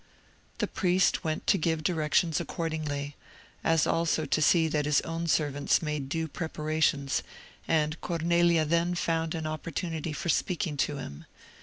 The priest went to give directions accordingly, as also to see that his own servants made due preparations; and Cornelia then found an opportunity for speaking to him.